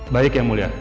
baik yang mulia